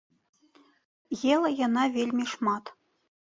Ела яна вельмі шмат.